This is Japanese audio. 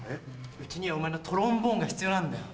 うちにはお前のトロンボーンが必要なんだよ。